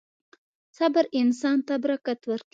• صبر انسان ته برکت ورکوي.